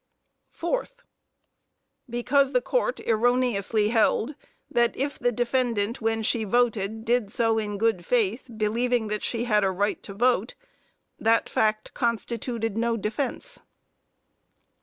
Fourth Because the court erroneously held, that if the defendant, when she voted, did so in good faith, believing that she had a right to vote, that fact constituted no defence.